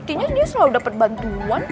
buktinya dia selalu dapet bantuan